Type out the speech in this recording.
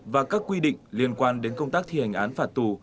và các quy định liên quan đến công tác thi hành án phạt tù